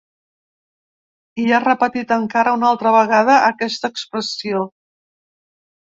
I ha repetit encara una altra vegada aquesta expressió.